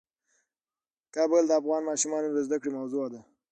کابل د افغان ماشومانو د زده کړې موضوع ده.